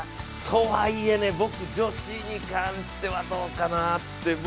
とはいえ、女子に関してはどうかなという。